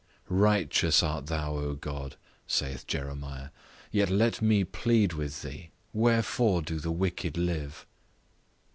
"Righteous art thou, O God," saith Jeremiah, "yet let me plead with thee; Wherefore do the wicked live?"